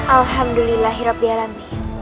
alhamdulillah hirap dialami